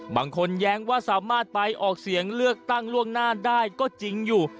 แย้งว่าสามารถไปออกเสียงเลือกตั้งล่วงหน้าได้ก็จริงอยู่